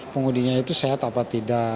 pengudinya itu sehat apa tidak